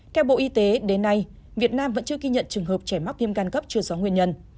theo bộ y tế đến nay việt nam vẫn chưa ghi nhận trường hợp trẻ mắc viêm gan cấp chưa rõ nguyên nhân